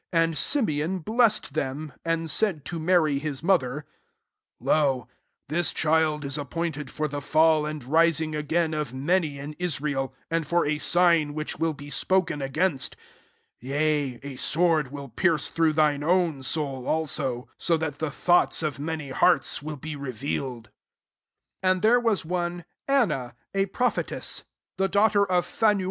34 AndSi'^ meon blessed them ; and said to Mary his mother, «Zo,/^ child is appointed for the fall and ris ing again qf many in Israel i and for a sign which will be sp)oken against ; 35 (y^a a sword vdll pierce through thine own soul also;) so that the thoughts qf many hearts will be revealed. 36 And there was one Anna, a prophetess^ the daughter qf Pha LUKE III.